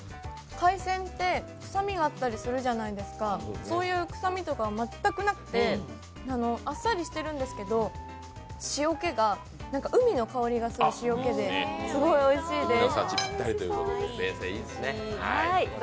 海鮮って臭みがあったりするじゃないですか、そういう臭みが全くなくて、あっさりしてるんですけど、塩気が海の香りがする塩気ですごくおいしいです。